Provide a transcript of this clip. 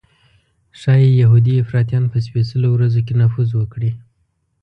ښایي یهودي افراطیان په سپېڅلو ورځو کې نفوذ وکړي.